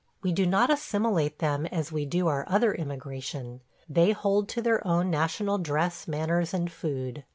We do not assimilate them as we do our other immigration. They hold to their own national dress, manners, and food.